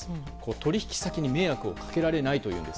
取引先に迷惑をかけられないというんです。